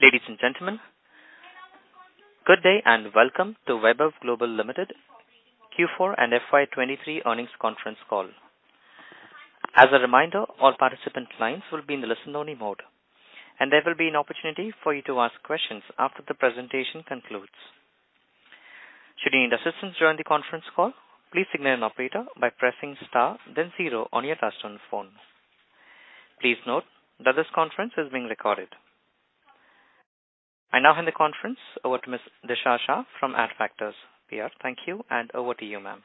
Ladies and gentlemen, good day, and welcome to Vaibhav Global Limited Q4 and FY 2023 earnings conference call. As a reminder, all participant lines will be in the listen only mode, and there will be an opportunity for you to ask questions after the presentation concludes. Should you need assistance during the conference call, please signal an operator by pressing star then zero on your touchtone phone. Please note that this conference is being recorded. I now hand the conference over to Ms. Disha Shah from Adfactors PR. Thank you, and over to you, ma'am.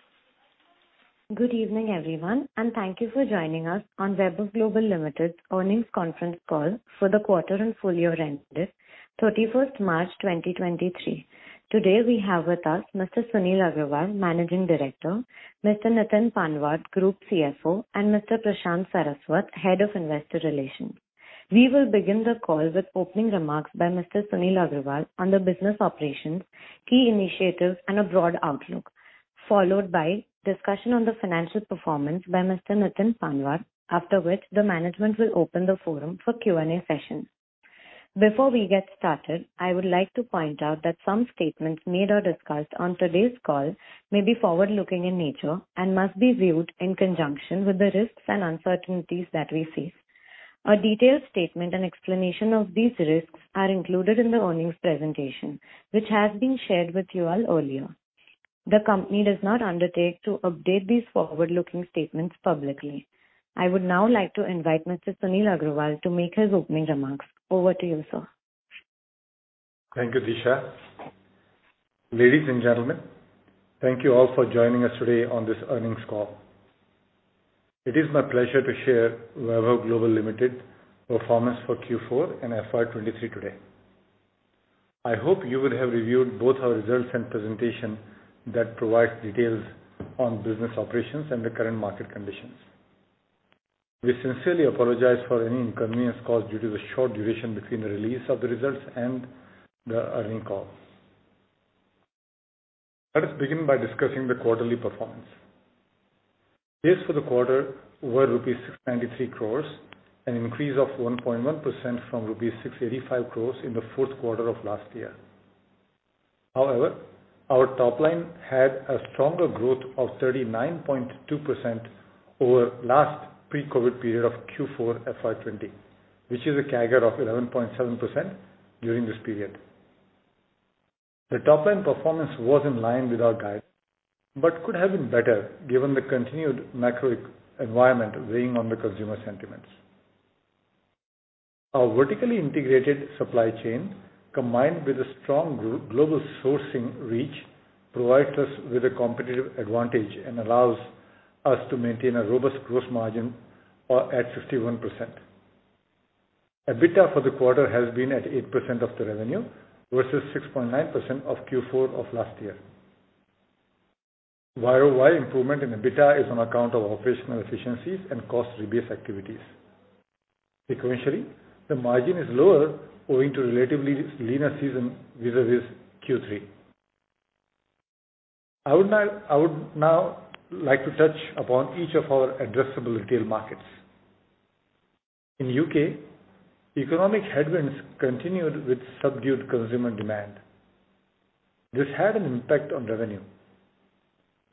Good evening, everyone, and thank you for joining us on Vaibhav Global Limited earnings conference call for the quarter and full year ended 31st March 2023. Today, we have with us Mr. Sunil Agrawal, Managing Director; Mr. Nitin Panwad, Group CFO; and Mr. Prashant Saraswat, Head of Investor Relations. We will begin the call with opening remarks by Mr. Sunil Agrawal on the business operations, key initiatives and a broad outlook, followed by discussion on the financial performance by Mr. Nitin Panwad. After which, the management will open the forum for Q&A session. Before we get started, I would like to point out that some statements made or discussed on today's call may be forward-looking in nature and must be viewed in conjunction with the risks and uncertainties that we face. A detailed statement and explanation of these risks are included in the earnings presentation, which has been shared with you all earlier. The company does not undertake to update these forward-looking statements publicly. I would now like to invite Mr. Sunil Agrawal to make his opening remarks. Over to you, sir. Thank you, Disha. Ladies and gentlemen, thank you all for joining us today on this earnings call. It is my pleasure to share Vaibhav Global Limited performance for Q4 and FY23 today. I hope you would have reviewed both our results and presentation that provides details on business operations and the current market conditions. We sincerely apologize for any inconvenience caused due to the short duration between the release of the results and the earning call. Let us begin by discussing the quarterly performance. Sales for the quarter were 693 crores rupees, an increase of 1.1% from 685 crores rupees in the fourth quarter of last year. However, our top line had a stronger growth of 39.2% over last pre-COVID period of Q4 FY20, which is a CAGR of 11.7% during this period. The top line performance was in line with our guide, could have been better given the continued macro environment weighing on the consumer sentiments. Our vertically integrated supply chain, combined with a strong global sourcing reach, provides us with a competitive advantage and allows us to maintain a robust gross margin or at 61%. EBITDA for the quarter has been at 8% of the revenue versus 6.9% of Q4 of last year. YoY improvement in EBITDA is on account of operational efficiencies and cost rebase activities. Sequentially, the margin is lower owing to relatively leaner season vis-à-vis Q3. I would now like to touch upon each of our addressable retail markets. In U.K., economic headwinds continued with subdued consumer demand. This had an impact on revenue.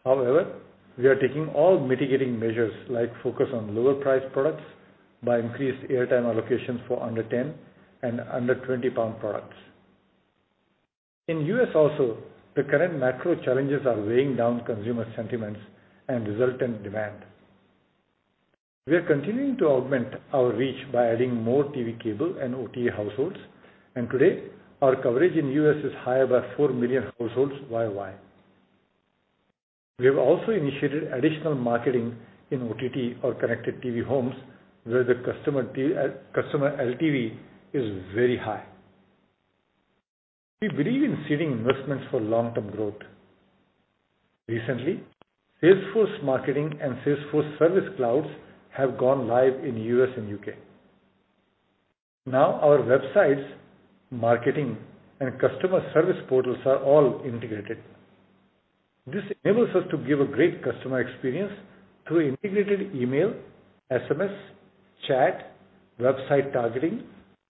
However, we are taking all mitigating measures like focus on lower priced products by increased airtime allocations for under 10 and under 20 pound products. In U.S. also, the current macro challenges are weighing down consumer sentiments and resultant demand. We are continuing to augment our reach by adding more TV cable and OTA households, and today our coverage in U.S. is higher by 4 million households YoY. We have also initiated additional marketing in OTT or connected TV homes, where the customer LTV is very high. We believe in seeding investments for long-term growth. Recently, Salesforce Marketing and Salesforce Service Cloud have gone live in U.S. and U.K. Our websites, marketing and customer service portals are all integrated. This enables us to give a great customer experience through integrated email, SMS, chat, website targeting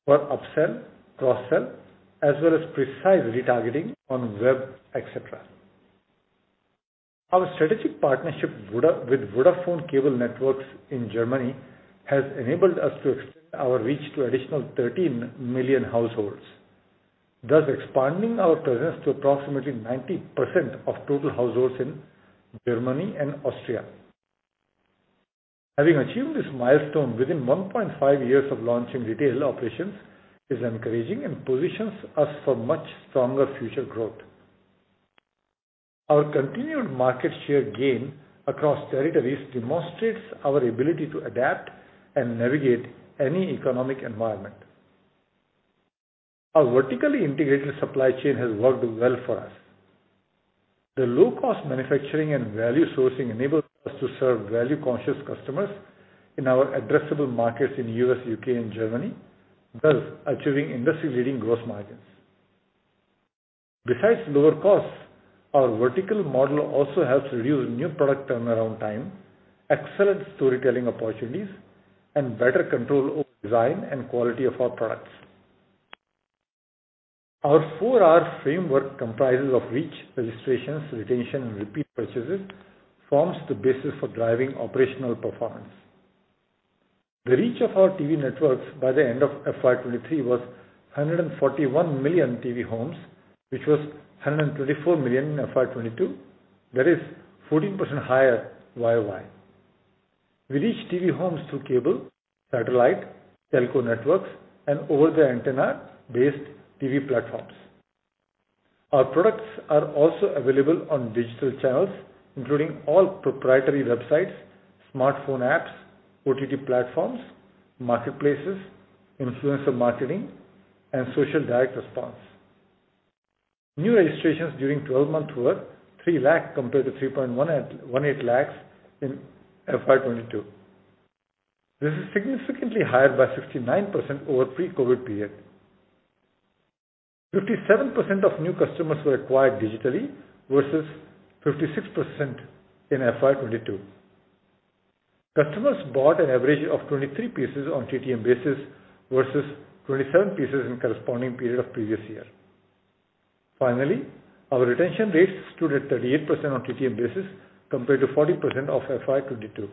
for upsell, cross-sell, as well as precise retargeting on web, et cetera. Our strategic partnership with Vodafone Cable Networks in Germany has enabled us to extend our reach to additional 13 million households, thus expanding our presence to approximately 90% of total households in Germany and Austria. Having achieved this milestone within 1.5 years of launching retail operations is encouraging and positions us for much stronger future growth. Our continued market share gain across territories demonstrates our ability to adapt and navigate any economic environment. Our vertically integrated supply chain has worked well for us. The low cost manufacturing and value sourcing enables us to serve value-conscious customers in our addressable markets in U.S., U.K. and Germany, thus achieving industry-leading gross margins. Besides lower costs, our vertical model also helps reduce new product turnaround time, excellent storytelling opportunities, and better control over design and quality of our products. Our 4R framework comprises of reach, registrations, retention, and repeat purchases, forms the basis for driving operational performance. The reach of our TV networks by the end of FY23 was 141 million TV homes, which was 134 million in FY22. That is 14% higher year-over-year. We reach TV homes through cable, satellite, telco networks, and over-the-antenna based TV platforms. Our products are also available on digital channels, including all proprietary websites, smartphone apps, OTT platforms, marketplaces, influencer marketing, and social direct response. New registrations during 12 months were 3 lakh compared to 3.18 lakh in FY22. This is significantly higher by 69% over pre-COVID period. 57% of new customers were acquired digitally versus 56% in FY22. Customers bought an average of 23 pieces on TTM basis versus 27 pieces in corresponding period of previous year. Our retention rates stood at 38% on TTM basis compared to 40% of FY22.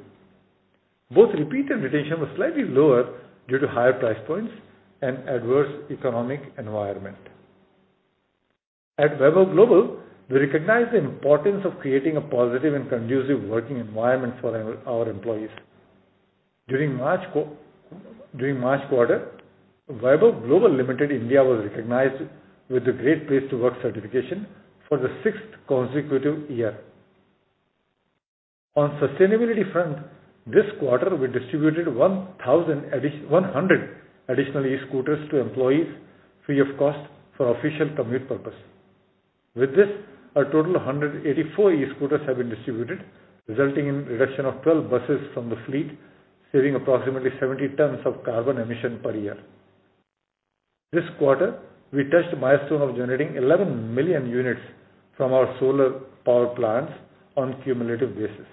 Both repeat and retention were slightly lower due to higher price points and adverse economic environment. At Vaibhav Global, we recognize the importance of creating a positive and conducive working environment for our employees. During March quarter, Vaibhav Global Limited India was recognized with the Great Place to Work certification for the sixth consecutive year. On sustainability front, this quarter we distributed 100 additional e-scooters to employees free of cost for official commute purpose. With this, a total of 184 e-scooters have been distributed, resulting in reduction of 12 buses from the fleet, saving approximately 70 tons of carbon emission per year. This quarter, we touched the milestone of generating 11 million units from our solar power plants on cumulative basis.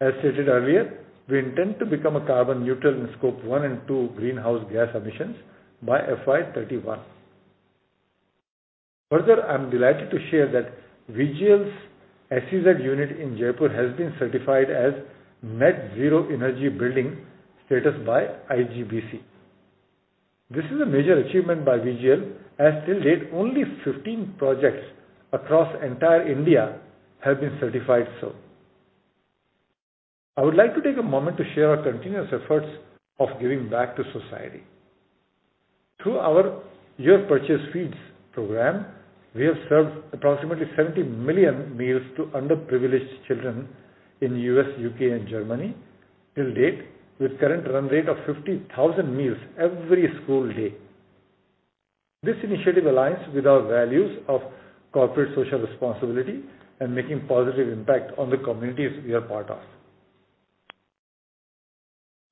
As stated earlier, we intend to become a carbon neutral in Scope 1 and 2 greenhouse gas emissions by FY 2031. Further, I'm delighted to share that VGL's SEZ unit in Jaipur has been certified as Net Zero energy building status by IGBC. This is a major achievement by VGL as till date only 15 projects across entire India have been certified so. I would like to take a moment to share our continuous efforts of giving back to society. Through our Your Purchase Feeds, we have served approximately 70 million meals to underprivileged children in U.S., U.K., and Germany till date, with current run rate of 50,000 meals every school day. This initiative aligns with our values of corporate social responsibility and making positive impact on the communities we are part of.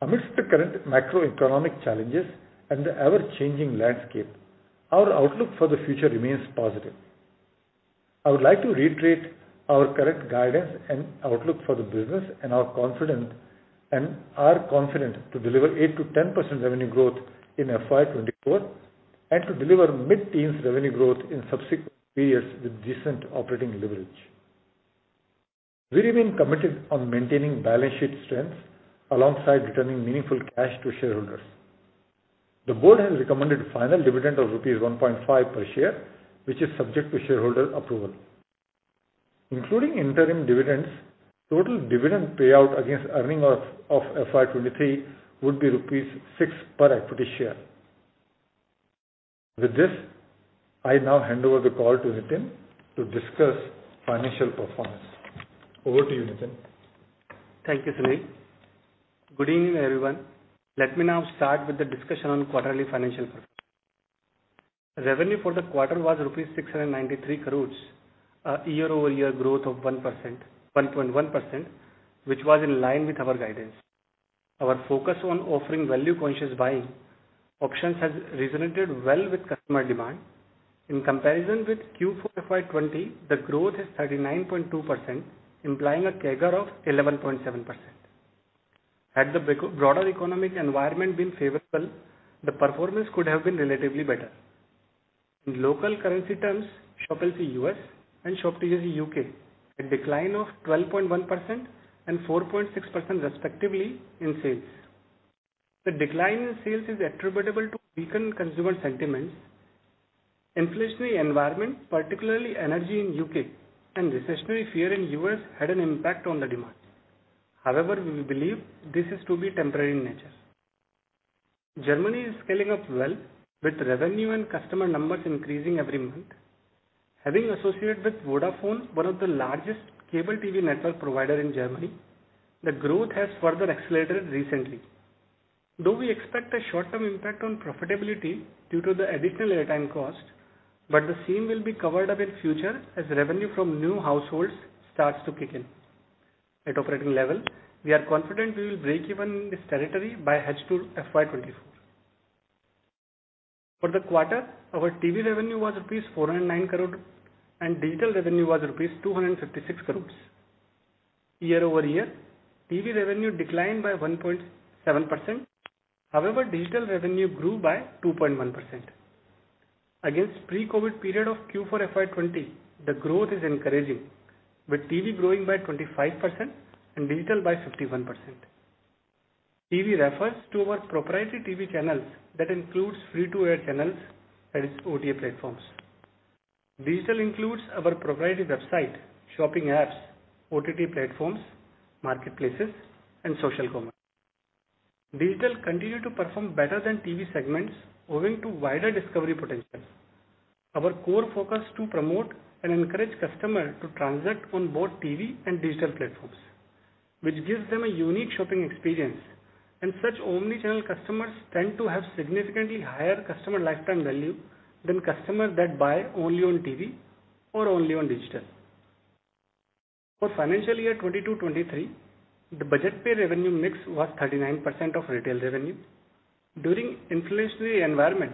Amidst the current macroeconomic challenges and the ever-changing landscape, our outlook for the future remains positive. I would like to reiterate our correct guidance and outlook for the business and are confident to deliver 8%-10% revenue growth in FY 2024 and to deliver mid-teens revenue growth in subsequent periods with decent operating leverage. We remain committed on maintaining balance sheet strength alongside returning meaningful cash to shareholders. The board has recommended final dividend of rupees 1.5 per share, which is subject to shareholder approval. Including interim dividends, total dividend payout against earning of FY 2023 would be rupees 6 per equity share. With this, I now hand over the call to Nitin to discuss financial performance. Over to you, Nitin. Thank you, Sunil. Good evening, everyone. Let me now start with the discussion on quarterly financial performance. Revenue for the quarter was 693 crores rupees, a year-over-year growth of 1.1%, which was in line with our guidance. Our focus on offering value conscious buying options has resonated well with customer demand. In comparison with Q4 FY20, the growth is 39.2%, implying a CAGR of 11.7%. Had the broader economic environment been favorable, the performance could have been relatively better. In local currency terms, Shop LC U.S. and Shop TJC U.K., a decline of 12.1% and 4.6% respectively in sales. The decline in sales is attributable to weakened consumer sentiments. Inflationary environment, particularly energy in U.K. and recessionary fear in U.S., had an impact on the demand. However, we believe this is to be temporary in nature. Germany is scaling up well with revenue and customer numbers increasing every month. Having associated with Vodafone, one of the largest cable TV network provider in Germany, the growth has further accelerated recently. Though we expect a short-term impact on profitability due to the additional airtime cost, but the same will be covered up in future as revenue from new households starts to kick in. At operating level, we are confident we will break even in this territory by H2 FY 2024. For the quarter, our TV revenue was rupees 409 crore, and digital revenue was rupees 256 crores. Year-over-year, TV revenue declined by 1.7%. However, digital revenue grew by 2.1%. Against pre-COVID period of Q4 FY20, the growth is encouraging, with TV growing by 25% and digital by 51%. TV refers to our proprietary TV channels that includes free to air channels and OTA platforms. Digital includes our proprietary website, shopping apps, OTT platforms, marketplaces and social commerce. Digital continued to perform better than TV segments owing to wider discovery potential. Our core focus to promote and encourage customer to transact on both TV and digital platforms, which gives them a unique shopping experience, and such omni-channel customers tend to have significantly higher customer lifetime value than customers that buy only on TV or only on digital. For financial year 2022-2023, the Budget Pay revenue mix was 39% of retail revenue. During inflationary environment,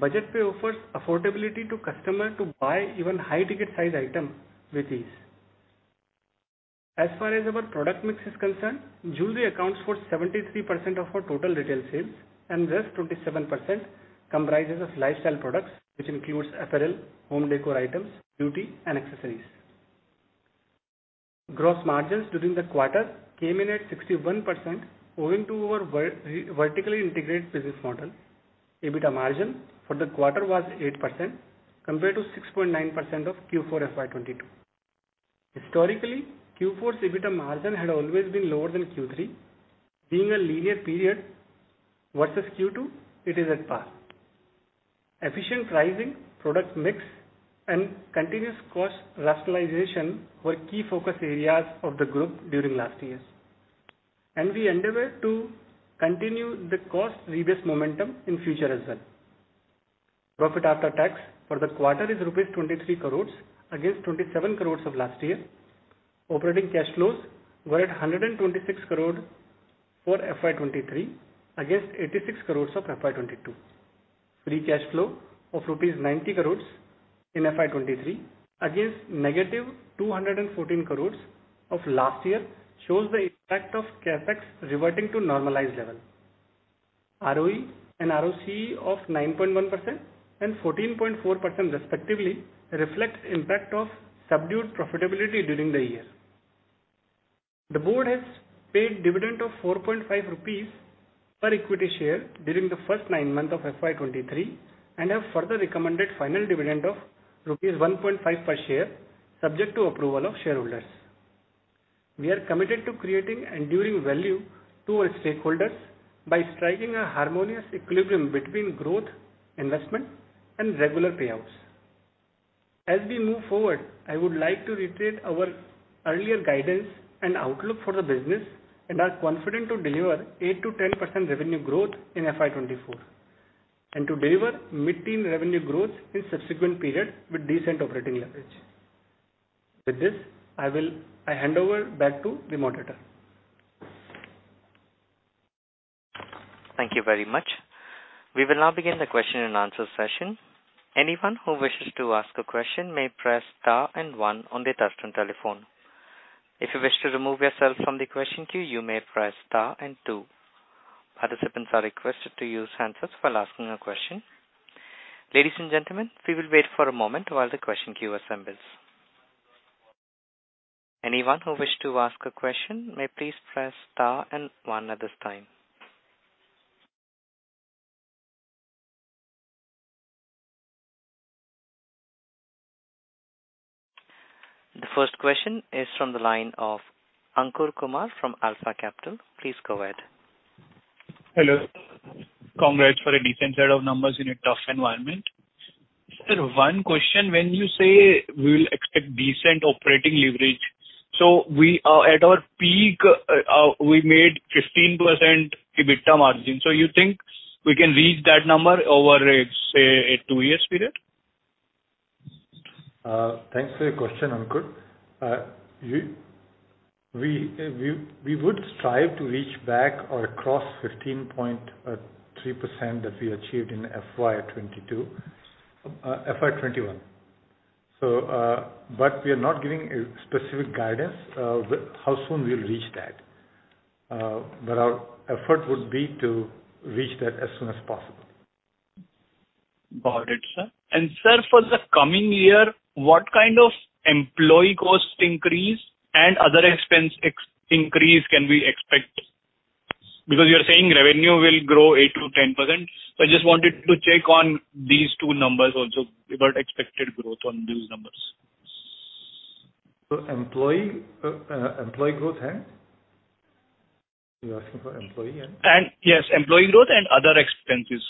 Budget Pay offers affordability to customer to buy even high ticket size item with ease. As far as our product mix is concerned, jewelry accounts for 73% of our total retail sales, rest 27% comprises of lifestyle products, which includes apparel, home decor items, beauty and accessories. Gross margins during the quarter came in at 61% owing to our vertically integrated business model. EBITDA margin for the quarter was 8% compared to 6.9% of Q4 FY 2022. Historically, Q4's EBITDA margin had always been lower than Q3, being a linear period versus Q2, it is at par. Efficient pricing, product mix and continuous cost rationalization were key focus areas of the group during last years. We endeavor to continue the cost reduce momentum in future as well. Profit after tax for the quarter is rupees 23 crores against 27 crores of last year. Operating cash flows were at 126 crore for FY23 against 86 crore of FY22. Free cash flow of rupees 90 crore in FY23 against negative 214 crore of last year shows the impact of CapEx reverting to normalized level. ROE and ROCE of 9.1% and 14.4% respectively reflects impact of subdued profitability during the year. The board has paid dividend of 4.5 rupees per equity share during the first nine months of FY23, and have further recommended final dividend of rupees 1.5 per share subject to approval of shareholders. We are committed to creating enduring value to our stakeholders by striking a harmonious equilibrium between growth, investment and regular payouts. As we move forward, I would like to reiterate our earlier guidance and outlook for the business and are confident to deliver 8%-10% revenue growth in FY 2024, and to deliver mid-teen revenue growth in subsequent period with decent operating leverage. With this, I hand over back to the moderator. Thank you very much. We will now begin the question and answer session. Anyone who wishes to ask a question may press star one on their touchtone telephone. If you wish to remove yourself from the question queue, you may press star two. Participants are requested to use answers while asking a question. Ladies and gentlemen, we will wait for a moment while the question queue assembles. Anyone who wish to ask a question may please press star one at this time. The first question is from the line of Ankur Kumar from Alpha Capital. Please go ahead. Hello. Congrats for a decent set of numbers in a tough environment. Sir, one question. When you say we will expect decent operating leverage, so we are at our peak, we made 15% EBITDA margin. You think we can reach that number over, let's say, a two years period? Thanks for your question, Ankur. We would strive to reach back or across 15.3% that we achieved in FY 2022, FY 2021. But we are not giving a specific guidance of how soon we'll reach that. But our effort would be to reach that as soon as possible. Got it, sir. Sir, for the coming year, what kind of employee cost increase and other expense increase can we expect? Because you're saying revenue will grow 8%-10%. I just wanted to check on these two numbers also, about expected growth on these numbers. Employee growth, and? You're asking for employee and? Yes, employee growth and other expenses.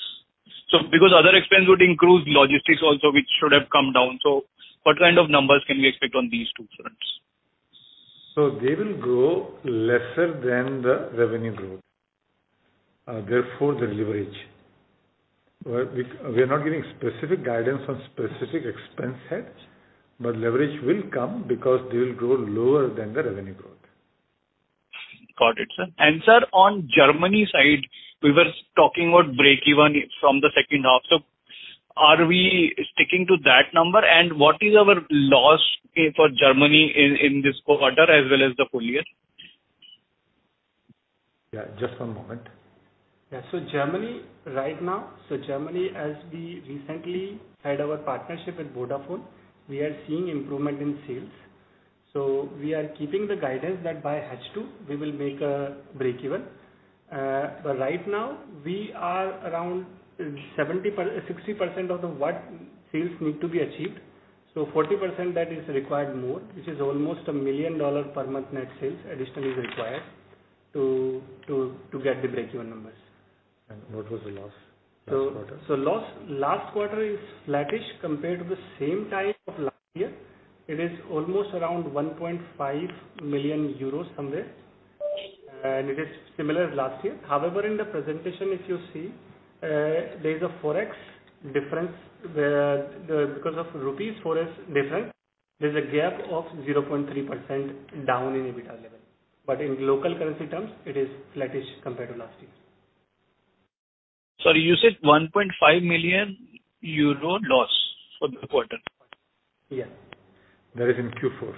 Because other expense would include logistics also, which should have come down. What kind of numbers can we expect on these two fronts? They will grow lesser than the revenue growth. The leverage. We're not giving specific guidance on specific expense heads. Leverage will come because they will grow lower than the revenue growth. Got it, sir. Sir, on Germany side, we were talking about break even from the second half. Are we sticking to that number? What is our loss, say, for Germany in this quarter as well as the full year? Yeah, just one moment. Germany right now, Germany, as we recently had our partnership with Vodafone, we are seeing improvement in sales. We are keeping the guidance that by H2 we will make break even. But right now we are around 60% of the what sales need to be achieved. Forty percent that is required more, which is almost a $1 million per month net sales additionally required to get the break even numbers. What was the loss last quarter? Loss last quarter is flattish compared to the same time of last year. It is almost around 1.5 million euros, somewhere, and it is similar to last year. However, in the presentation, if you see, there is a forex difference where, because of rupees forex difference, there's a gap of 0.3% down in EBITDA level. In local currency terms it is flattish compared to last year. Sorry, you said 1.5 million euro loss for the quarter? Yeah. That is in Q4.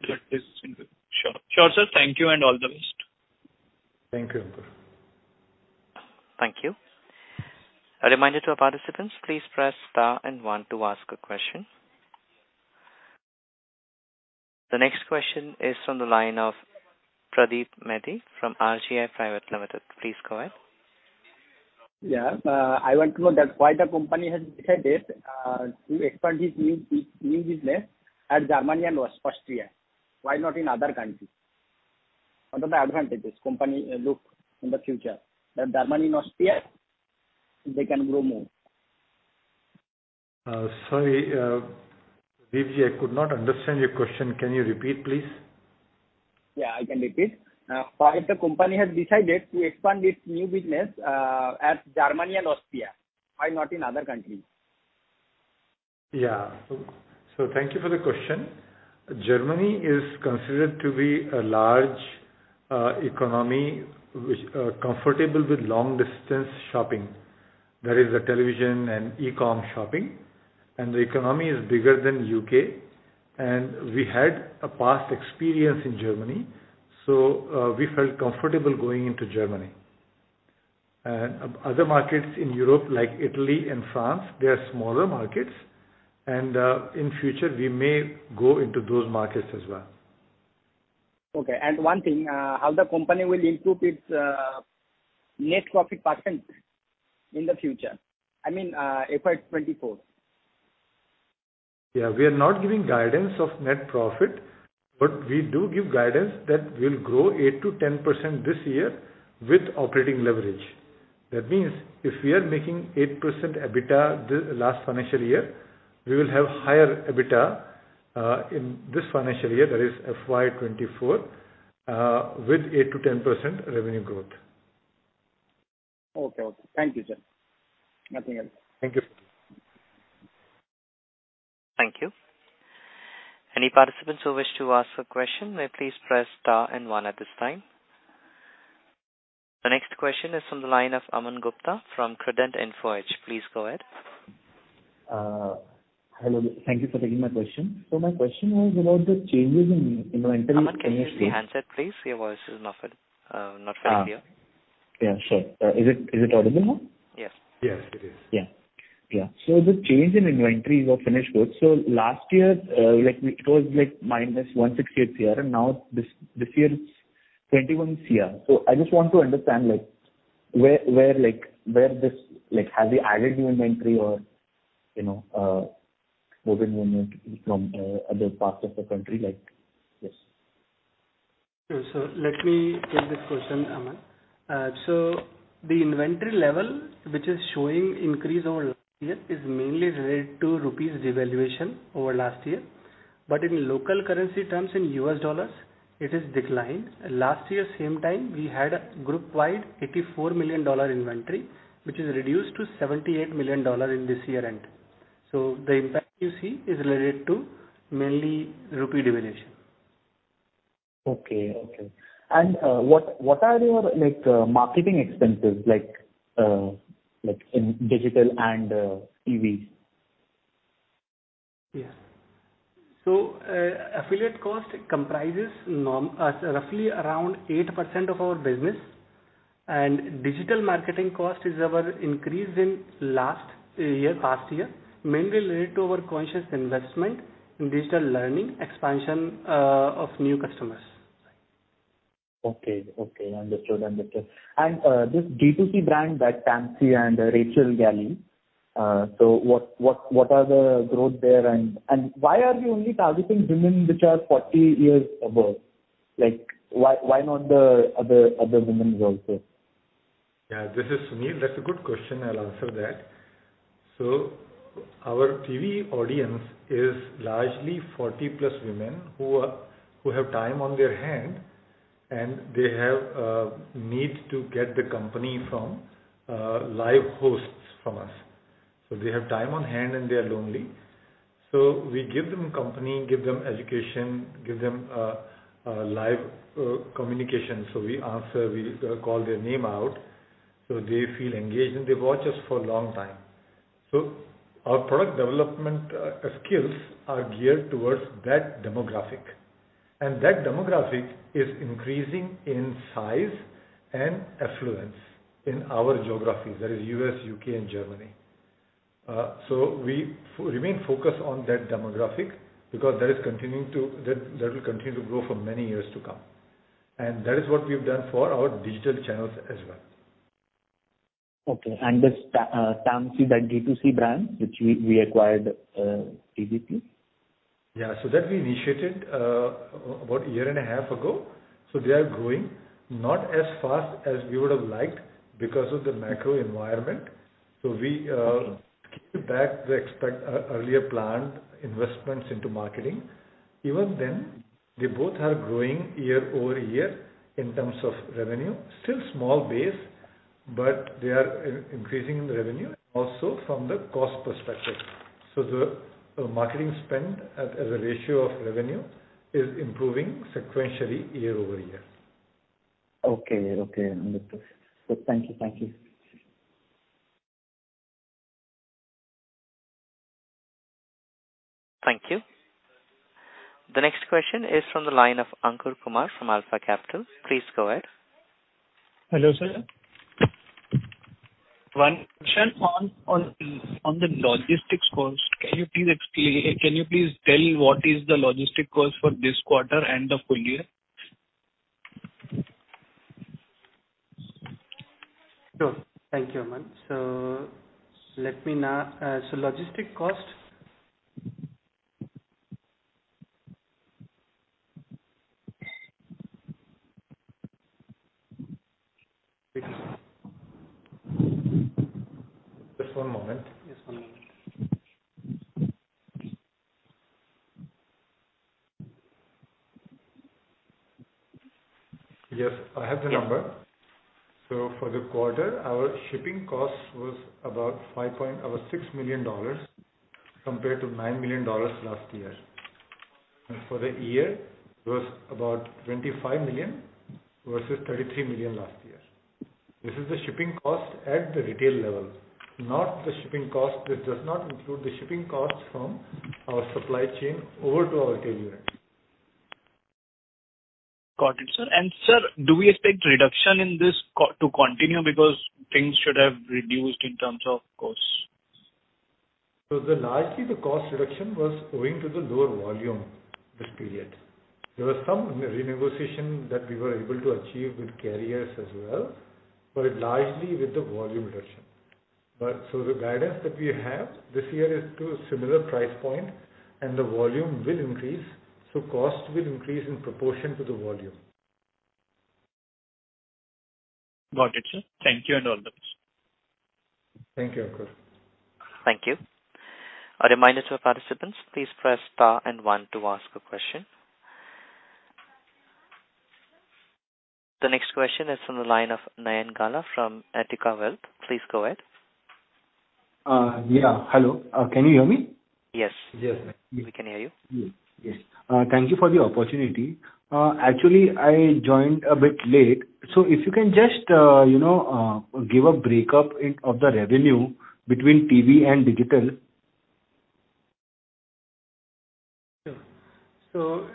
Sure. Sure, sir. Thank you and all the best. Thank you, Ankur. Thank you. A reminder to our participants, please press star and one to ask a question. The next question is from the line of Pradeep Medhi from RGI Private Limited. Please go ahead. Yeah. I want to know that why the company has decided to expand its new business at Germany and Austria. Why not in other countries? What are the advantages company look in the future that Germany and Austria they can grow more? Sorry, Pradeep, I could not understand your question. Can you repeat, please? Yeah, I can repeat. Why the company has decided to expand its new business at Germany and Austria? Why not in other countries? Yeah. Thank you for the question. Germany is considered to be a large economy which comfortable with long distance shopping, that is the television and e-com shopping. The economy is bigger than U.K., and we had a past experience in Germany, so, we felt comfortable going into Germany. Other markets in Europe, like Italy and France, they are smaller markets and in future we may go into those markets as well. Okay. One thing, how the company will improve its net profit percent in the future? I mean, FY 2024. Yeah. We are not giving guidance of net profit, we do give guidance that we'll grow 8%-10% this year with operating leverage. That means if we are making 8% EBITDA last financial year, we will have higher EBITDA in this financial year. That is FY 2024 with 8%-10% revenue growth. Okay. Okay. Thank you, sir. Nothing else. Thank you. Thank you. Any participants who wish to ask a question may please press Star and One at this time. The next question is from the line of Aman Gupta from Credent Asset Management. Please go ahead. Hello. Thank you for taking my question. My question was about the changes in inventory... Aman, can you use your handset, please? Your voice is not very clear. Yeah, sure. Is it audible now? Yes. Yes, it is. Yeah. The change in inventory of finished goods. Last year, it was like minus 168 CR and now this year it's 21 CR. I just want to understand like where this... Have you added new inventory or, you know, moving inventory from other parts of the country? Let me take this question, Aman. The inventory level, which is showing increase over last year, is mainly related to rupees devaluation over last year. In local currency terms, in U.S dollars, it has declined. Last year same time we had a group wide $84 million inventory, which is reduced to $78 million in this year end. The impact you see is related to mainly rupee devaluation. Okay. Okay. What are your, like, marketing expenses like in digital and, TV? Yeah. Affiliate cost comprises roughly around 8% of our business. Digital marketing cost is our increase in past year, mainly related to our conscious investment in digital learning expansion of new customers. Okay. Okay. Understood. Understood. This D2C brand like TAMSY and Rachel Galley. What are the growth there? Why are you only targeting women which are 40 years above? Like why not the other women also? Yeah, this is Sunil. That's a good question. I'll answer that. Our TV audience is largely 40+ women who have time on their hand and they have need to get the company from live hosts from us. They have time on hand and they are lonely, so we give them company, give them education, give them a live communication. We answer, we call their name out, so they feel engaged and they watch us for a long time. Our product development skills are geared towards that demographic, and that demographic is increasing in size and affluence in our geographies. That is U.S., U.K. and Germany. We remain focused on that demographic because that is continuing to. That will continue to grow for many years to come. That is what we've done for our digital channels as well. Okay. The TAMSY, that D2C brand which we acquired, previously? Yeah. That we initiated, about a year and a half ago. They are growing, not as fast as we would have liked because of the macro environment. We scaled back the earlier planned investments into marketing. Even then, they both are growing year-over-year in terms of revenue. Still small base, but they are increasing the revenue also from the cost perspective. The marketing spend as a ratio of revenue is improving sequentially year-over-year. Okay. Okay. Understood. Thank you. Thank you. Thank you. The next question is from the line of Ankur Kumar from Alpha Capital. Please go ahead. Hello, sir. One question on the logistics cost. Can you please tell what is the logistic cost for this quarter and the full year? Sure. Thank you, Aman. Logistic cost. Just one moment. Yes, I have the number. For the quarter, our shipping cost was about $5.6 million compared to $9 million last year. For the year it was about $25 million versus $33 million last year. This is the shipping cost at the retail level, not the shipping cost. It does not include the shipping costs from our supply chain over to our retail unit. Got it, sir. Sir, do we expect reduction in this to continue because things should have reduced in terms of costs? Largely the cost reduction was owing to the lower volume this period. There was some re-negotiation that we were able to achieve with carriers as well, but largely with the volume reduction. The guidance that we have this year is to a similar price point and the volume will increase, so cost will increase in proportion to the volume. Got it, sir. Thank you and all the best. Thank you, Ankur. Thank you. A reminder to our participants, please press Star and One to ask a question. The next question is from the line of Nayan Gala from Etica Wealth. Please go ahead. Yeah. Hello? Can you hear me? We can hear you. Yes. Yes. Thank you for the opportunity. Actually, I joined a bit late. If you can just, you know, give a breakup of the revenue between TV and digital. Sure.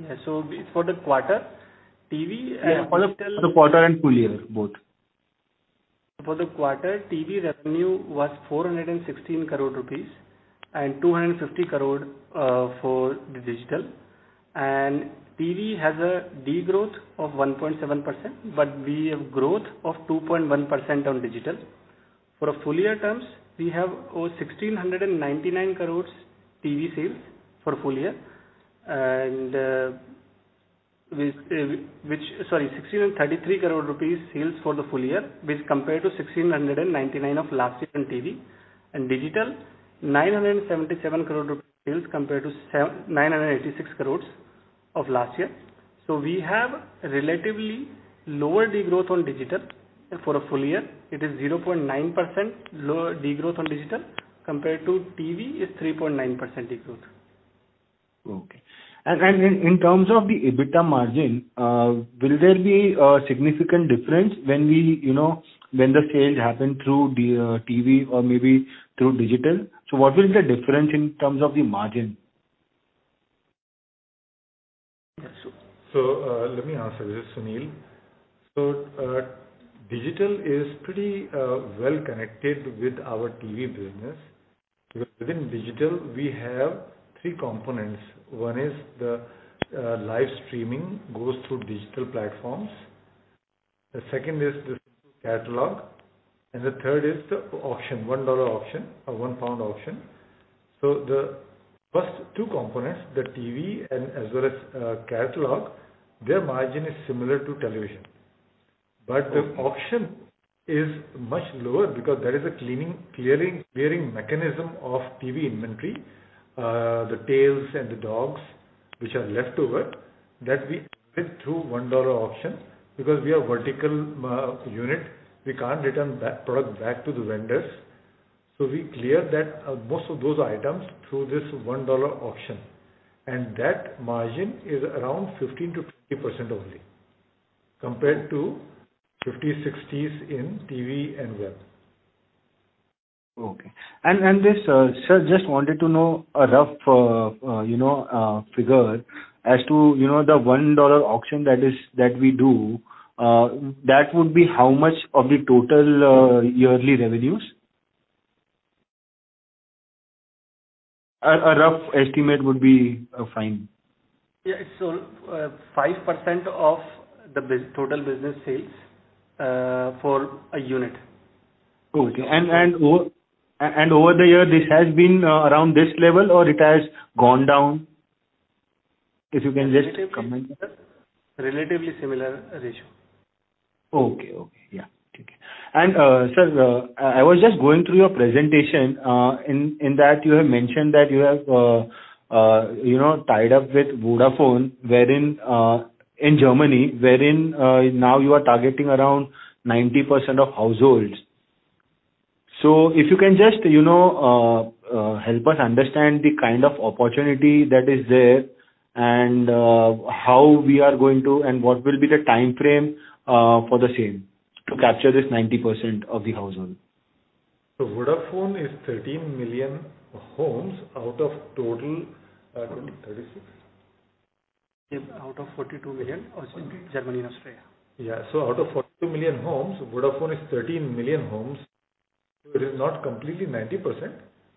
Yeah, for the quarter, TV and digital. Yeah, for the quarter and full year, both. For the quarter, TV revenue was 416 crore rupees and 250 crore for the Digital. TV has a degrowth of 1.7%, but we have growth of 2.1% on Digital. For a full year terms, we have INR 1,633 crore sales for the full year with compared to 1,699 crore of last year on TV. Digital, 977 crore sales compared to 986 crore of last year. we have relatively lower degrowth on Digital. For a full year it is 0.9% lower degrowth on Digital compared to TV is 3.9% degrowth. Okay. In terms of the EBITDA margin, will there be a significant difference when we, you know, when the sales happen through the TV or maybe through digital? What will be the difference in terms of the margin? Let me answer this, Sunil. Digital is pretty well connected with our TV business because within digital we have three components. One is the live streaming goes through digital platforms. The second is the catalog, and the third is the auction, $1 auction or 1 pound auction. The first two components, the TV and as well as catalog, their margin is similar to television. The auction is much lower because there is a cleaning, clearing mechanism of TV inventory, the tails and the dogs which are left over that we put through $1 auction because we are vertical unit. We can't return that product back to the vendors. We clear that most of those items through this $1 auction, and that margin is around 15%-20% only compared to 50s%, 60s% in TV and web. Okay. This, Sir, just wanted to know a rough, you know, figure as to, you know, the $1 auction that we do, that would be how much of the total yearly revenues? A rough estimate would be fine. Yeah. 5% of the total business sales for a unit. Okay. Over the year, this has been around this level or it has gone down? If you can just comment. Relatively similar ratio. Okay. Okay. Yeah. Thank you. Sir, I was just going through your presentation, in that you have mentioned that you have, you know, tied up with Vodafone, wherein, in Germany, wherein, now you are targeting around 90% of households. If you can just, you know, help us understand the kind of opportunity that is there and how we are going to and what will be the timeframe for the same to capture this 90% of the household. Vodafone is 13 million homes out of total, 36. Out of 42 million, on Germany and Austria. Out of 42 million homes, Vodafone is 13 million homes. It is not completely 90%,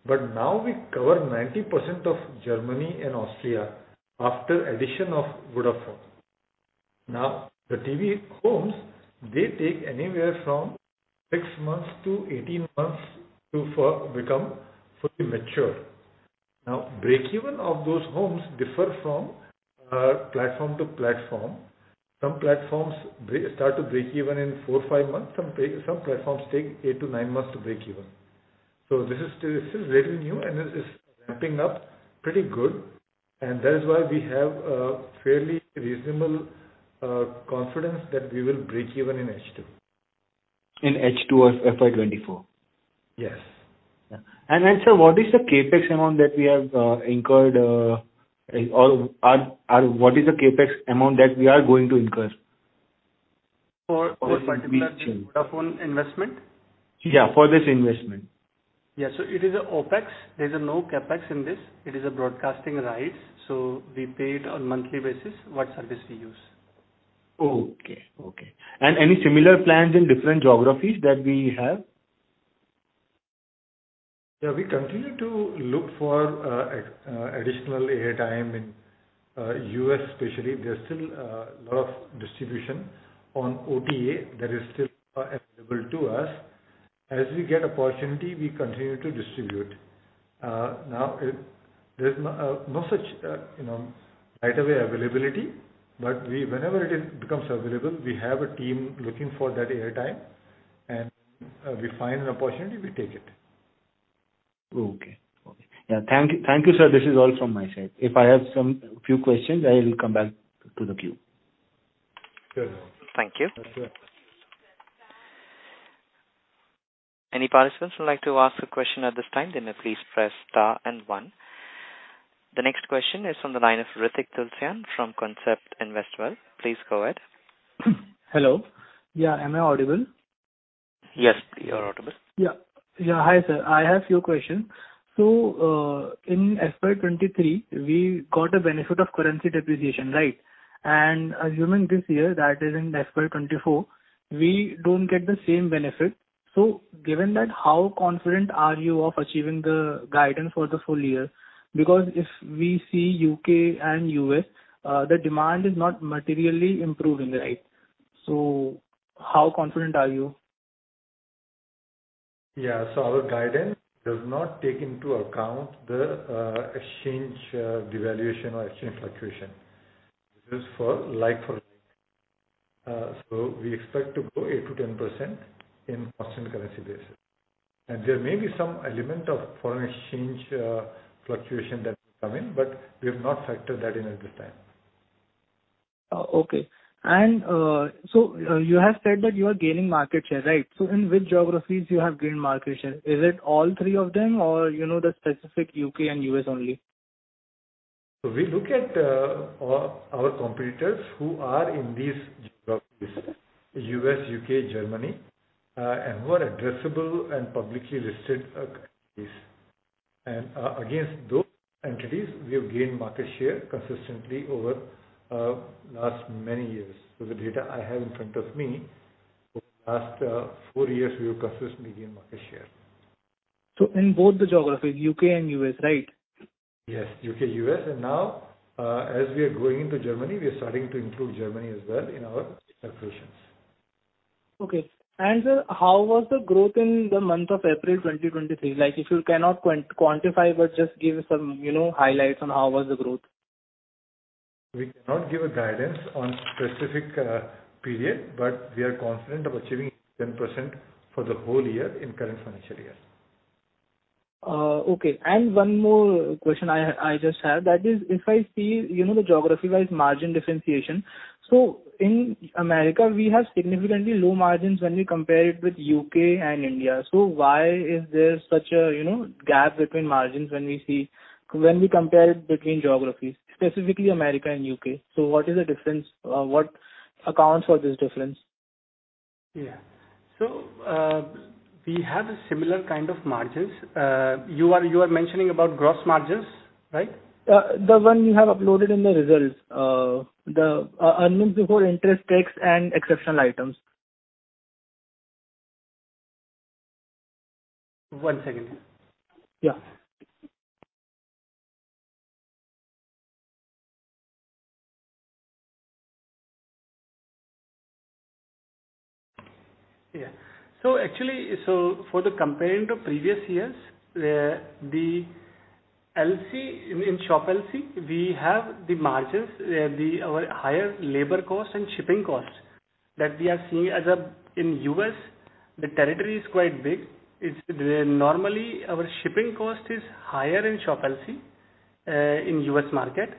but now we cover 90% of Germany and Austria after addition of Vodafone. The TV homes, they take anywhere from 6 months to 18 months to become fully mature. Break even of those homes differ from platform to platform. Some platforms start to break even in four, five months. Some platforms take eight to nine months to break even. This is still, this is very new, and this is ramping up pretty good. That is why we have a fairly reasonable confidence that we will break even in H2. In H2 of FY 2024? Yes. Sir, what is the CapEx amount that we have incurred, or what is the CapEx amount that we are going to incur? For this particular Vodafone investment? Yeah, for this investment. Yeah. It is a OpEx. There's no CapEx in this. It is a broadcasting right. We pay it on monthly basis what service we use. Okay. Okay. Any similar plans in different geographies that we have? We continue to look for additional airtime in U.S. especially. There's still lot of distribution on OTA that is still available to us. Now, it, there's no no such, you know, right away availability, but we whenever it is becomes available, we have a team looking for that airtime, and we find an opportunity, we take it. Okay. Thank you, sir. This is all from my side. If I have some few questions, I will come back to the queue. Sure. Thank you. Any participants who would like to ask a question at this time, then may please press star 1. The next question is from the line of Hritik Tulsyan from Concept Investwell. Please go ahead. Hello. Yeah. Am I audible? Yes, you're audible. Yeah. Yeah. Hi, sir. I have few question. In FY 2023, we got a benefit of currency depreciation, right? Assuming this year that is in FY 2024, we don't get the same benefit. Given that, how confident are you of achieving the guidance for the full year? If we see U.K. and U.S., the demand is not materially improving, right? How confident are you? Yeah. Our guidance does not take into account the exchange devaluation or exchange fluctuation. This is for like for like. We expect to grow 8%-10% in constant currency basis. There may be some element of foreign exchange fluctuation that will come in, but we have not factored that in at this time. Oh, okay. You have said that you are gaining market share, right? In which geographies you have gained market share? Is it all three of them or, you know, the specific U.K. and U.S. only? We look at our competitors who are in these geographies, U.S., U.K., Germany, and who are addressable and publicly listed countries. Against those entities, we have gained market share consistently over last many years. The data I have in front of me, for the last, four years we have consistently gained market share. in both the geographies, U.K. and U.S., right? Yes. U.K., U.S., and now, as we are going into Germany, we are starting to include Germany as well in our calculations. Okay. Sir, how was the growth in the month of April 2023? Like if you cannot quantify but just give us some, you know, highlights on how was the growth? We cannot give a guidance on specific period, but we are confident of achieving 10% for the whole year in current financial year. Okay. One more question I just have. That is if I see, you know, the geography-wise margin differentiation. In America we have significantly low margins when we compare it with U.K. and India. Why is there such a, you know, gap between margins when we compare it between geographies, specifically America and U.K.? What is the difference? What accounts for this difference? Yeah. We have a similar kind of margins. You are mentioning about gross margins, right? The one you have uploaded in the results. The earnings before interest, tax and exceptional items. One second. Actually, for the compared to previous years, the LC, in Shop LC we have the margins, our higher labor cost and shipping cost that we are seeing as a, in U.S. the territory is quite big. It's normally our shipping cost is higher in Shop LC, in U.S. market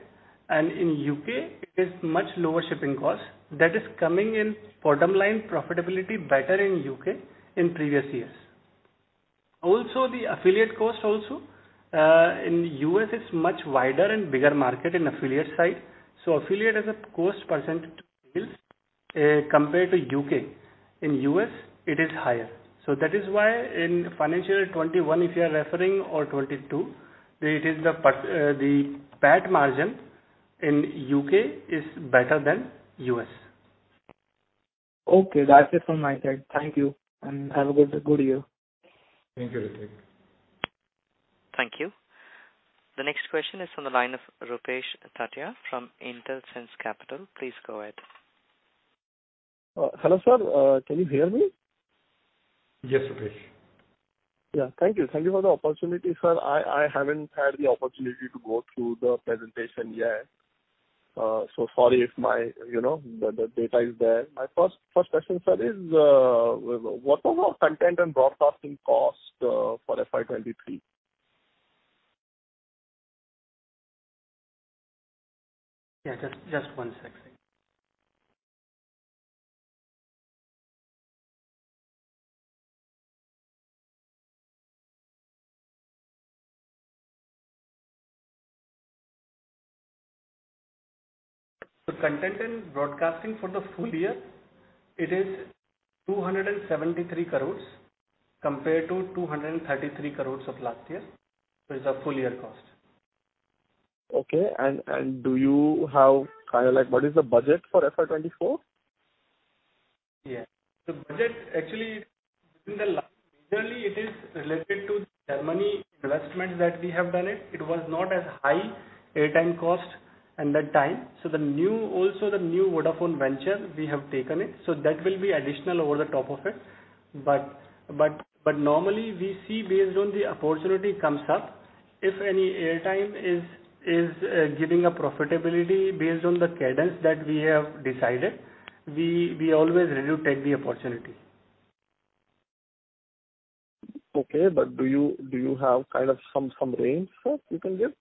and in U.K. it is much lower shipping cost. That is coming in bottom line profitability better in U.K. in previous years. Also, the affiliate cost also, in U.S. it's much wider and bigger market in affiliate side, affiliate as a cost percentage is compared to U.K., in U.S. it is higher. That is why in financial 2021 if you are referring or 2022, it is the PAT margin in U.K. is better than U.S. Okay. That's it from my side. Thank you, and have a good year. Thank you, Hritik Thank you. The next question is from the line of Rupesh Tatiya from Intelsense Capital. Please go ahead. Hello, sir. Can you hear me? Yes, Rupesh. Yeah. Thank you. Thank you for the opportunity. Sir, I haven't had the opportunity to go through the presentation yet. Sorry if my, you know, the data is there. My first question, sir, is what was our content and broadcasting cost for FY 2023? Yeah. Just one second. The content and broadcasting for the full year, it is 273 crores compared to 233 crores of last year. It's a full year cost. Okay. Do you have what is the budget for FY 2024? Yeah. The budget actually within the last... Usually it is related to Germany investment that we have done it. It was not as high airtime cost in that time. The new, also the new Vodafone venture we have taken it, so that will be additional over the top of it. But normally we see based on the opportunity comes up. If any airtime is giving a profitability based on the cadence that we have decided, we always really take the opportunity. Okay. Do you have kind of some range, sir, you can give?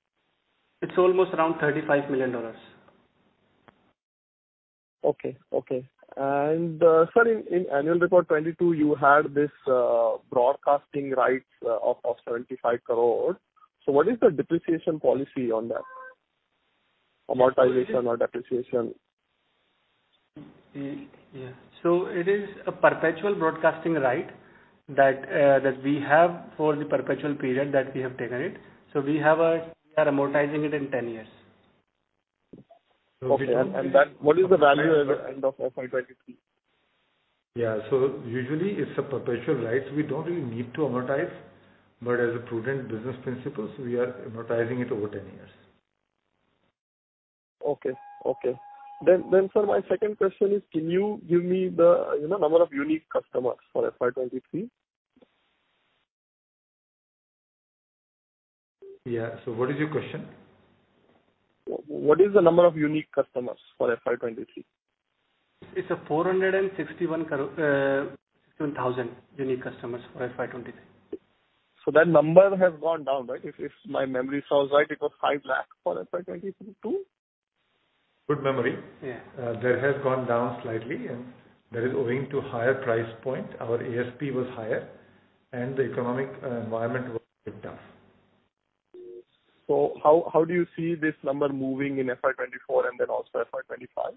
It's almost around $35 million. Okay. Okay. sir, in annual report 2022 you had this broadcasting rights of 75 crores. What is the depreciation policy on that? Amortization or depreciation? Yeah. It is a perpetual broadcasting right that we have for the perpetual period that we have taken it. We are amortizing it in 10 years. Okay. That, what is the value at the end of FY 2023? Yeah. Usually it's a perpetual right, we don't really need to amortize. As a prudent business principle, we are amortizing it over 10 years. Okay. Okay. Sir, my second question is can you give me the, you know, number of unique customers for FY23? Yeah. What is your question? What is the number of unique customers for FY 2023? It's 461,000 unique customers for FY 2023. That number has gone down, right? If my memory serves right, it was 5 lakh for FY 2022. Good memory. That has gone down slightly and that is owing to higher price point. Our ASP was higher and the economic environment was a bit tough. How do you see this number moving in FY 2024 and then also FY 2025?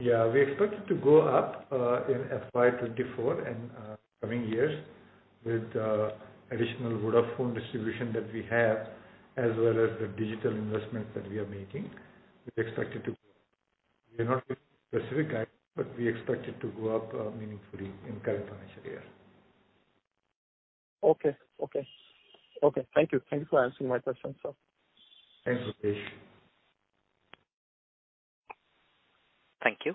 Yeah. We expect it to go up in FY 2024 and coming years with additional Vodafone distribution that we have as well as the digital investment that we are making. We expect it to go up. We are not giving specific guidance, but we expect it to go up meaningfully in current financial year. Okay. Okay. Okay. Thank you. Thank you for answering my questions, sir. Thanks, Rupesh. Thank you.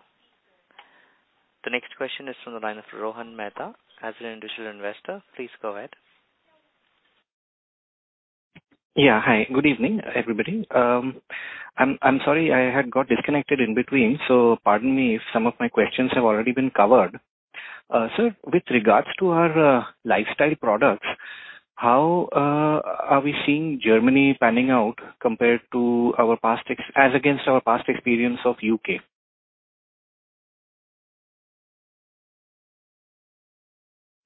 The next question is from the line of Rohan Mehta. As an individual investor, please go ahead. Hi. Good evening, everybody. I'm sorry I had got disconnected in between, pardon me if some of my questions have already been covered. Sir, with regards to our lifestyle products, how are we seeing Germany panning out compared to our past experience of U.K.?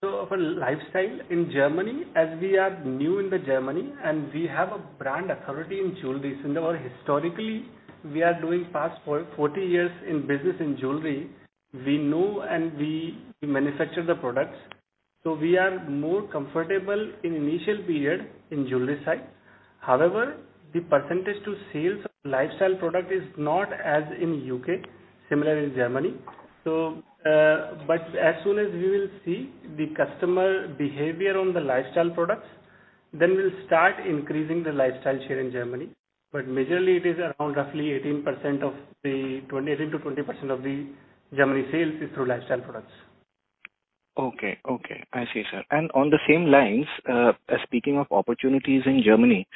For lifestyle in Germany, as we are new in the Germany and we have a brand authority in jewelry. Since historically we are doing past for 40 years in business in jewelry, we know and we manufacture the products, so we are more comfortable in initial period in jewelry side. However, the percentage to sales of lifestyle product is not as in U.K., similar in Germany. As soon as we will see the customer behavior on the lifestyle products, then we'll start increasing the lifestyle share in Germany but majorly it is around roughly 18%-20% of the Germany sales is through lifestyle products. Okay. Okay. I see, sir. On the same lines, speaking of opportunities in Germany,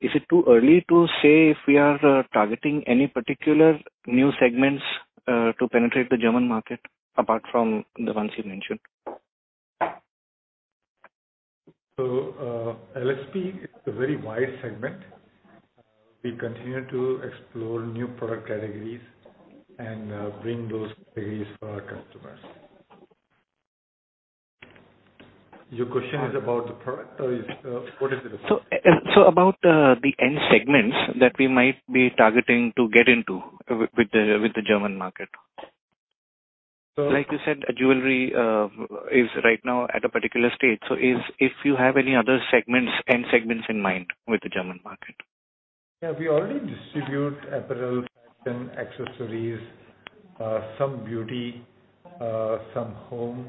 is it too early to say if we are targeting any particular new segments to penetrate the German market apart from the ones you mentioned? LSP is a very wide segment. We continue to explore new product categories and bring those categories to our customers. Your question is about the product or is... What is it about? And so about the end segments that we might be targeting to get into with the German market. Like you said, jewelry, is right now at a particular stage. So is, if you have any other segments, end segments in mind with the German market? Yeah. We already distribute apparel, fashion, accessories, some beauty, some home.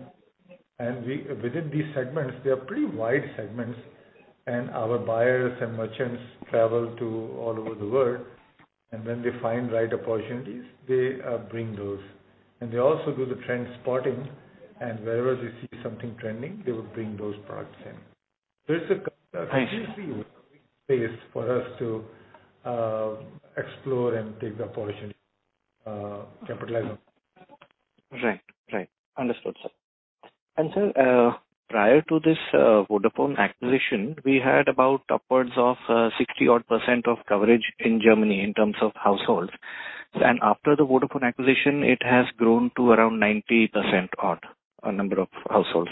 We, within these segments, they are pretty wide segments, and our buyers and merchants travel to all over the world. When they find right opportunities, they bring those. They also do the trend spotting, and wherever they see something trending, they will bring those products in for us to explore and take the opportunity, capitalize on. Right. Right. Understood, sir. Sir, prior to this, Vodafone acquisition, we had about upwards of 60% odd of coverage in Germany in terms of households. After the Vodafone acquisition, it has grown to around 90% odd number of households.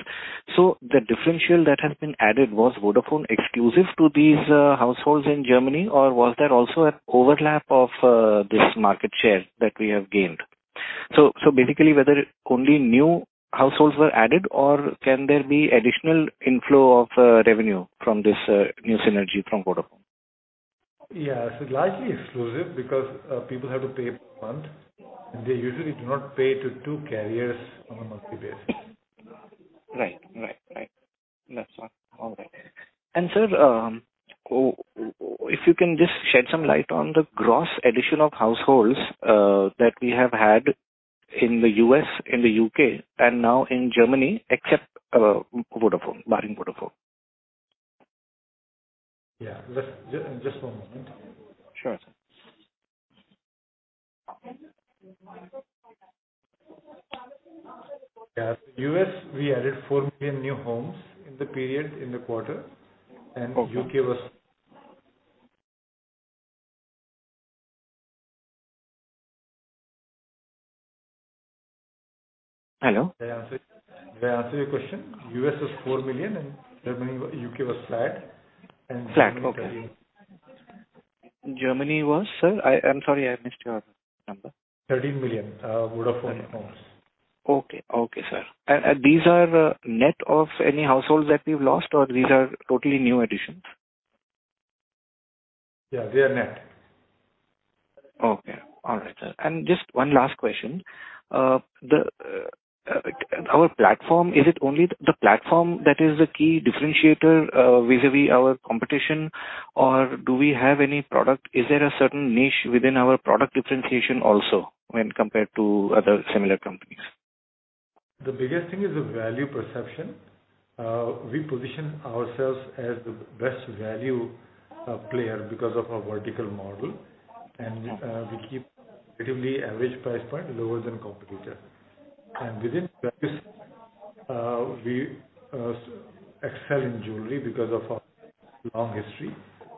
The differential that has been added was Vodafone exclusive to these households in Germany, or was there also an overlap of this market share that we have gained? Basically, whether only new households were added or can there be additional inflow of revenue from this new synergy from Vodafone? Yeah. Largely exclusive because people have to pay upfront, and they usually do not pay to two carriers on a monthly basis. Right. Right. Right. That's fine. All right. Sir, if you can just shed some light on the gross addition of households that we have had in the U.S., in the U.K. and now in Germany except, Vodafone, barring Vodafone. Yeah. Just one moment. Sure, sir. Yeah. U.S. we added 4 million new homes in the period, in the quarter. U.K. was... Hello? Did I answer your question? U.S. was $4 million and Germany U.K. was flat. Flat. Okay. Germany was? Sir, I'm sorry, I missed your number. 13 million Vodafone homes. Okay. Okay, sir. These are, net of any households that we've lost, or these are totally new additions? Yeah, they are net. Okay. All right, sir. Just one last question. Our platform, is it only the platform that is the key differentiator vis-à-vis our competition, or do we have any product? Is there a certain niche within our product differentiation also when compared to other similar companies? The biggest thing is the value perception. We position ourselves as the best value player because of our vertical model, and we keep relatively average price point lower than competitor. Within practice, we excel in jewelry because of our long history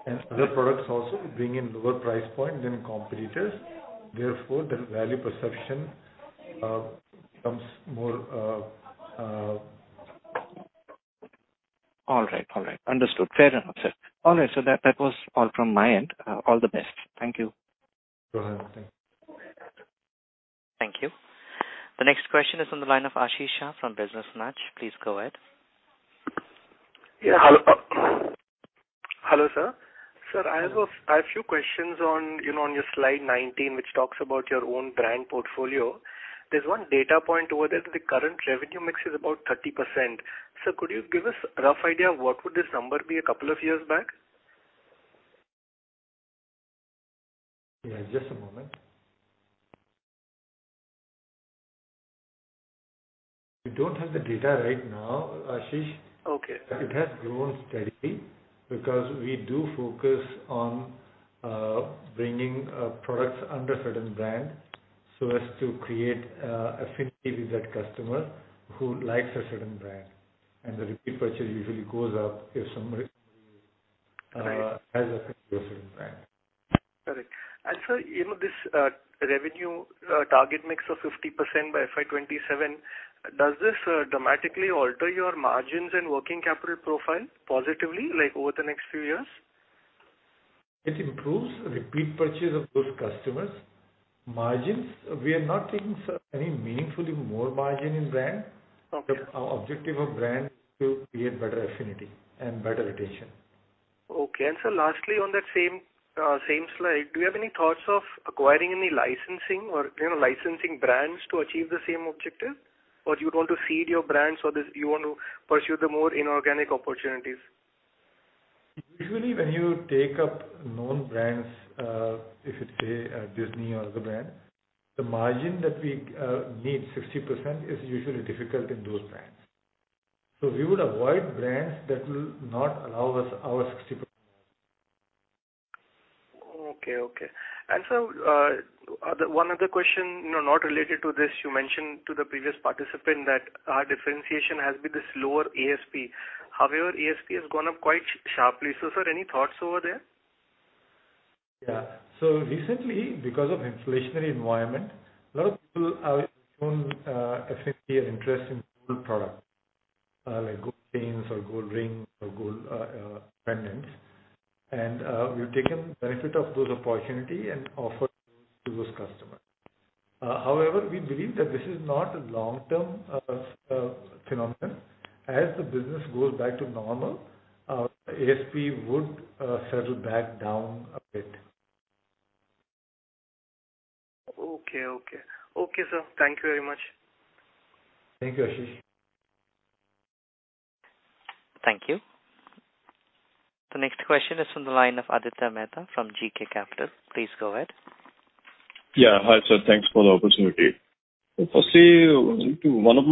and other products also bring in lower price point than competitors. Therefore, the value perception becomes more. All right. All right. Understood. Fair enough, sir. All right. That was all from my end. All the best. Thank you. Thank you. Thank you. The next question is on the line of Ashish Shah from [Business Match]. Please go ahead. Yeah. Hello, sir. Sir, I have a few questions, you know, on your slide 19, which talks about your own brand portfolio. There's one data point over there that the current revenue mix is about 30%. Sir, could you give us a rough idea of what would this number be a couple of years back? Yeah, just a moment. We don't have the data right now, Ashish. Okay. It has grown steadily because we do focus on bringing products under certain brand so as to create affinity with that customer who likes a certain brand. The repeat purchase usually goes up if somebody has affinity for a certain brand. Got it. Sir, you know this revenue target mix of 50% by FY 2027, does this dramatically alter your margins and working capital profile positively, like, over the next few years? It improves repeat purchase of those customers. Margins, we are not taking any meaningfully more margin in brand. Okay. Our objective of brand is to create better affinity and better retention. Okay. Sir, lastly, on that same slide, do you have any thoughts of acquiring any licensing or, you know, licensing brands to achieve the same objective? You want to feed your brands, you want to pursue the more inorganic opportunities? Usually, when you take up known brands, if it's say, a Disney or other brand, the margin that we need, 60%, is usually difficult in those brands. We would avoid brands that will not allow us our 60% margin. Okay, okay. Sir, one other question, you know, not related to this. You mentioned to the previous participant that our differentiation has been this lower ASP. However, ASP has gone up quite sharply. Sir, any thoughts over there? Yeah. Recently, because of inflationary environment, a lot of people have shown affinity and interest in gold product, like gold chains or gold rings or gold pendants. We've taken benefit of those opportunity and offered to those customers. We believe that this is not a long-term phenomenon. As the business goes back to normal, our ASP would settle back down a bit. Okay, okay. Okay, sir. Thank you very much. Thank you, Ashish. Thank you. The next question is from the line of Aditya Mehta from GK Capital. Please go ahead. Yeah. Hi, sir. Thanks for the opportunity. Firstly, one of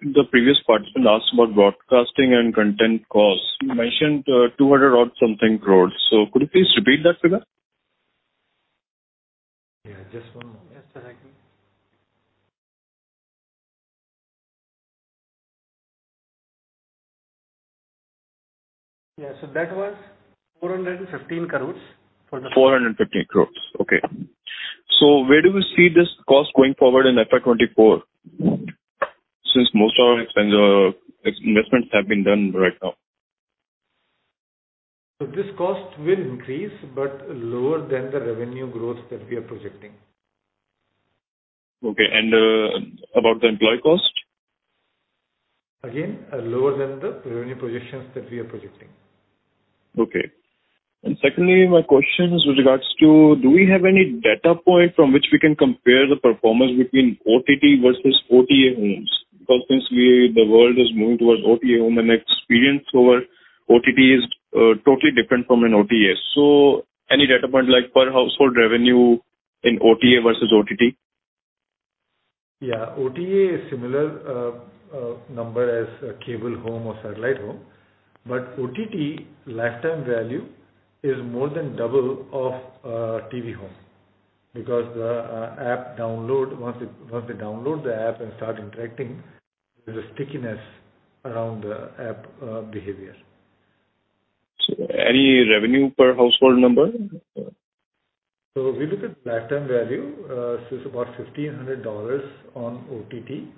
the previous participant asked about broadcasting and content costs. You mentioned 200 odd something crores. Could you please repeat that figure? Yeah, just one second. Yes, that was 415 crores. 415 crores, okay. Where do we see this cost going forward in FY24, since most of our expense, investments have been done right now? This cost will increase, but lower than the revenue growth that we are projecting. Okay. About the employee cost? Again, lower than the revenue projections that we are projecting. Okay. Secondly, my question is with regards to do we have any data point from which we can compare the performance between OTT versus OTA homes? Since we, the world is moving towards OTA home and experience over OTT is totally different from an OTA. Any data point, like per household revenue in OTA versus OTT? Yeah. OTA is similar number as a cable home or satellite home. OTT lifetime value is more than double of TV home because the app download, once they download the app and start interacting, there's a stickiness around the app behavior. Any revenue per household number? We look at lifetime value, so it's about $1,500 on OTT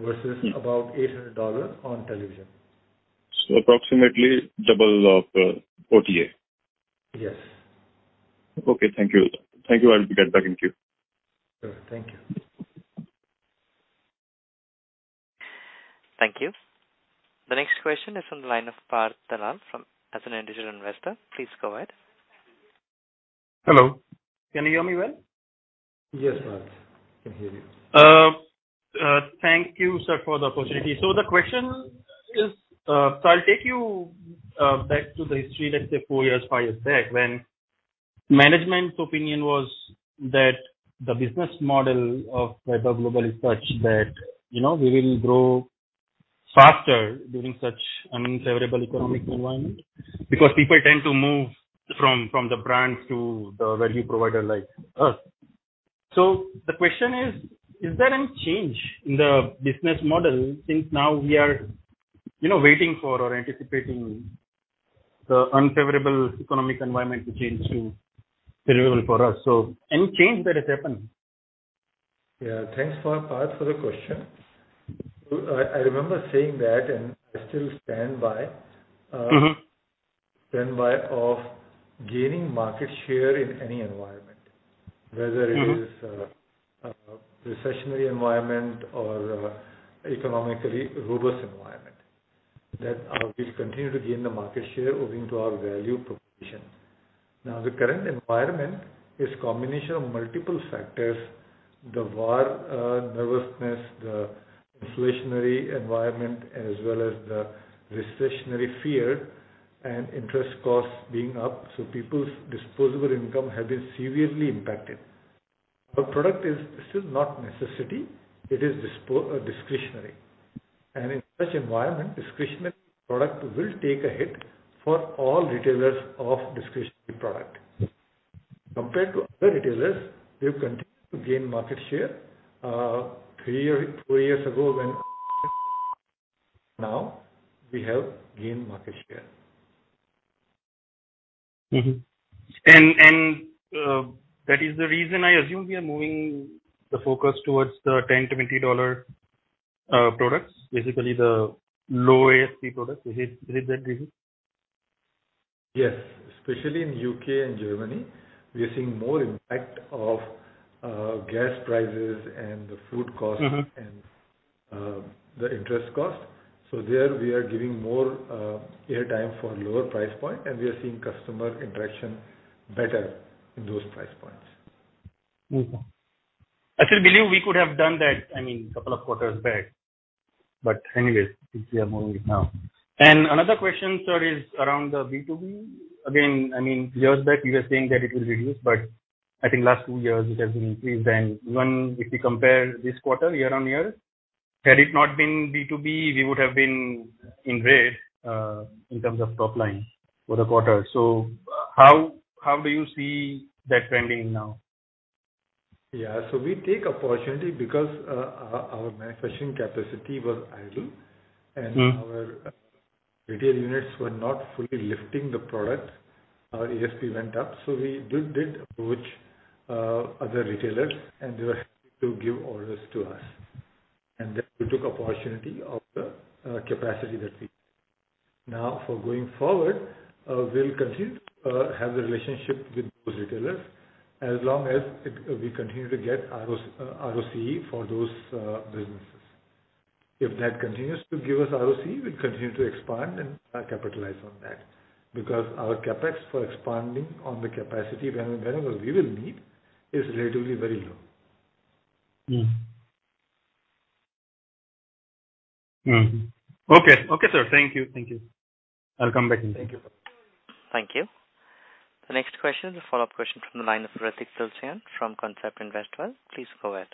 versus about $800 on television. Approximately double of OTA. Yes. Okay. Thank you. Thank you. I'll get back in queue. Sure. Thank you. Thank you. The next question is from the line of Parth Dalal as an individual investor. Please go ahead. Hello. Can you hear me well? Yes, Parth. I can hear you. Thank you, sir, for the opportunity. The question is, I'll take you back to the history, let's say four years, five years back, when management's opinion was that the business model of Vaibhav Global is such that, you know, we will grow faster during such unfavorable economic environment because people tend to move from the brands to the value provider like us. The question is there any change in the business model since now we are, you know, waiting for or anticipating the unfavorable economic environment to change to favorable for us? Any change that has happened? Yeah. Thanks for, Parth, for the question. I remember saying that, and I still stand by. Standby of gaining market share in any environment. Whether it is a recessionary environment or economically robust environment, that we continue to gain the market share owing to our value proposition. Now, the current environment is combination of multiple factors, the war, nervousness, the inflationary environment, as well as the recessionary fear and interest costs being up, so people's disposable income has been seriously impacted. Our product is still not necessity, it is discretionary. In such environment, discretionary product will take a hit for all retailers of discretionary product. Compared to other retailers, we have continued to gain market share. Three or four years ago when now, we have gained market share. That is the reason I assume we are moving the focus towards the $10-$20 products, basically the low ASP products. Is it that reason? Yes. Especially in U.K. and Germany, we are seeing more impact of gas prices and the food costs. The interest costs. There we are giving more air time for lower price point, and we are seeing customer interaction better in those price points. I still believe we could have done that, I mean, couple of quarters back. Anyway, at least we are moving it now. Another question, sir, is around the B2B. Again, I mean, years back you were saying that it will reduce, but I think last two years it has increased. Even if you compare this quarter year-over-year, had it not been B2B, we would have been in red in terms of top line for the quarter. How do you see that trending now? Yeah. We take opportunity because our manufacturing capacity was idle. Our retail units were not fully lifting the product. Our ASP went up, so we did approach other retailers, and they were happy to give orders to us. We took opportunity of the capacity. For going forward, we'll continue to have the relationship with those retailers as long as we continue to get ROCE for those businesses. If that continues to give us ROCE, we'll continue to expand and capitalize on that. Our CapEx for expanding on the capacity whenever we will need is relatively very low. Okay. Okay, sir. Thank you. Thank you. I'll come back in touch. Thank you. Thank you. The next question is a follow-up question from the line of Hritik Tulsyan from Concept Investwell. Please go ahead.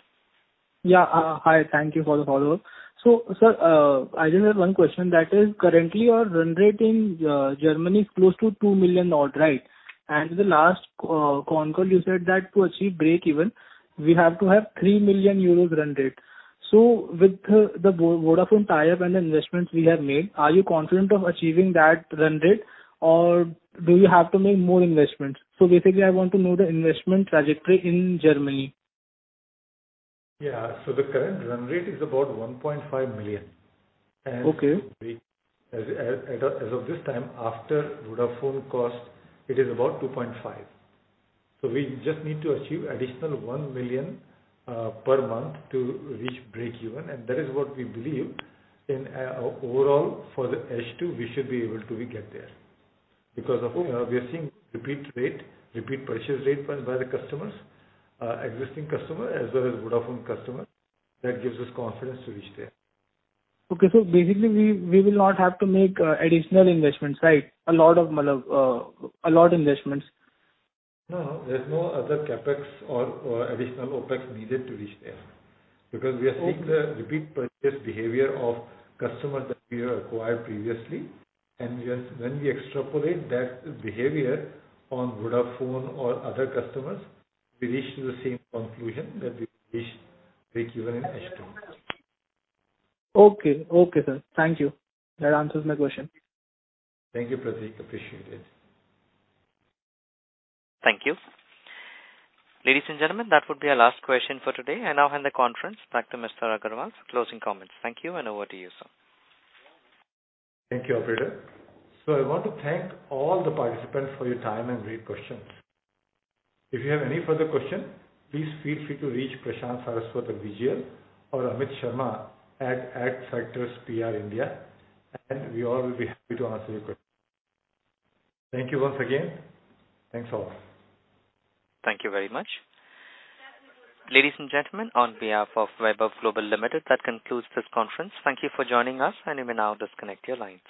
Yeah. Hi. Thank you for the follow-up. Sir, I just have one question, that is currently your run rate in Germany is close to 2 million odd, right? The last con call you said that to achieve breakeven we have to have 3 million euros run rate. With the Vodafone tie-up and the investments we have made, are you confident of achieving that run rate, or do you have to make more investments? Basically I want to know the investment trajectory in Germany. Yeah. The current run rate is about 1.5 million. Okay. As of this time, after Vodafone cost, it is about 2.5 million. We just need to achieve additional 1 million per month to reach breakeven, and that is what we believe in, overall for the H2, we should be able to get there. Of course we are seeing repeat rate, repeat purchase rate by the customers, existing customer as well as Vodafone customer. That gives us confidence to reach there. Okay. basically we will not have to make additional investments, right? A lot of, a lot investments. No. There's no other CapEx or additional OpEx needed to reach there. Because we are seeing the repeat purchase behavior of customers that we have acquired previously. Yes, when we extrapolate that behavior on Vodafone or other customers, we reach to the same conclusion that we reach breakeven in H2. Okay. Okay, Sir. Thank you. That answers my question. Thank you, Hritik. Appreciate it. Thank you. Ladies and gentlemen, that would be our last question for today. I now hand the conference back to Mr. Agrawal for closing comments. Thank you. Over to you, sir. Thank you, operator. I want to thank all the participants for your time and great questions. If you have any further question, please feel free to reach Prashant Saraswat, our VGL, or Amit Sharma at Adfactors PR India. We all will be happy to answer your questions. Thank you once again. Thanks all. Thank you very much. Ladies and gentlemen, on behalf of Vaibhav Global Limited, that concludes this conference. Thank you for joining us, and you may now disconnect your lines.